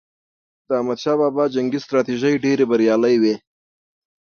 د احمد شاه بابا جنګي ستراتیژۍ ډېرې بریالي وي.